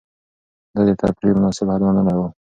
ده د تفريح مناسب حد منلی و.